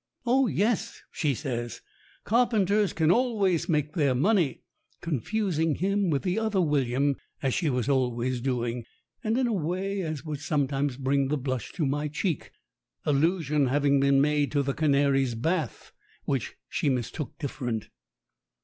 "Oh, yes!" she says, "carpenters can always make their money," confusing him with the other William, as she was always doing, and in a way as would sometimes bring the blush to my cheek, allusion having been made to the canary's bath which she mis took different.